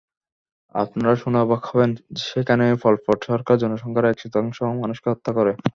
আপনারা শুনে অবাক হবেন, সেখানে পলপট সরকার জনসংখ্যার এক-চতুর্থাংশ মানুষকে হত্যা করে।